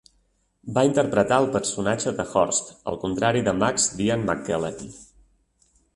Va interpretar el personatge de Horst, el contrari de Max d'Ian McKellen.